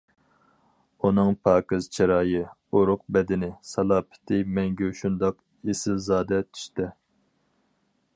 ئۇنىڭ پاكىز چىرايى، ئورۇق بەدىنى، سالاپىتى مەڭگۈ شۇنداق ئېسىلزادە تۈستە.